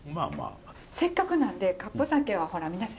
せっかくなんでカップ酒はほら皆さん